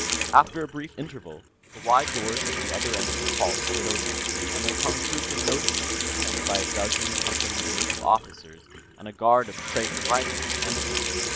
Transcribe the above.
After a brief interval, the wide doors at the other end of the hall slid open, and the Konkrookan notables, attended by a dozen Company native officers and a guard of Kragan Rifles, entered.